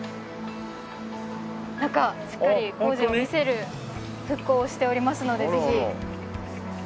中しっかり工事を見せる復興をしておりますのでぜひ。